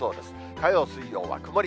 火曜、水曜は曇り。